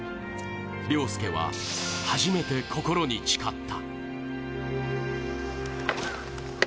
稜佑は初めて心に誓った。